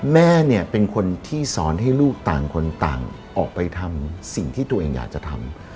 แม่เนี่ยเป็นคนที่สอนให้ลูกต่างคนต่างออกไปทำสิ่งที่ตัวเองอยากจะทำ